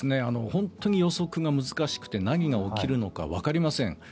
本当に予測が難しくて何が起きるのかわかりません。